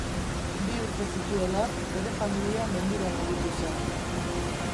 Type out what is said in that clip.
Bi urte zituela, bere familia mendira mugitu zen.